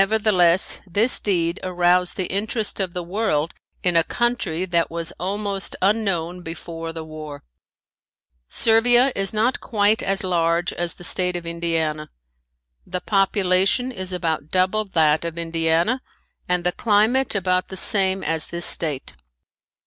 Nevertheless, this deed aroused the interest of the world in a country that was almost unknown before the war. Servia is not quite as large as the state of Indiana. The population is about double that of Indiana and the climate about the same as this state.